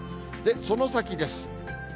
その先です。